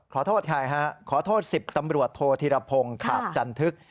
ใครฮะขอโทษ๑๐ตำรวจโทษธิรพงศ์ขาบจันทึก